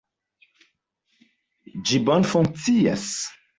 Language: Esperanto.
Ĝi bone funkcias.